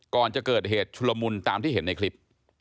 ก่อนจะเกิดเหตุชุลมุนตามที่เห็นในคลิป